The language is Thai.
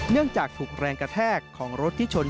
เนื่องจากถูกแรงกระแทกของรถทิชชน